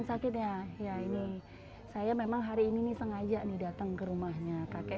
sakit ya ya ini saya memang hari ini sengaja nih datang ke rumahnya kakek